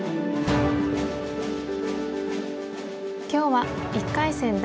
今日は１回戦